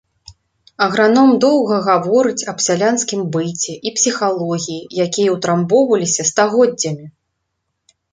Аграном доўга гаворыць аб сялянскім быце і псіхалогіі, якія ўтрамбоўваліся стагоддзямі.